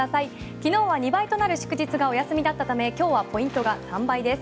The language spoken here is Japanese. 昨日は２倍となる祝日がお休みだったため今日はポイントが３倍です。